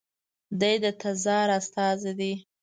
دی د تزار استازی دی.